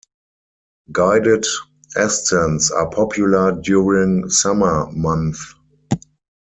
Guided ascents are popular during summer months.